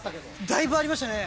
だいぶありましたね。